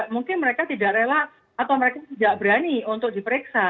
mungkin mereka tidak rela atau mereka tidak berani untuk diperiksa